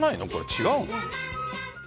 違うの？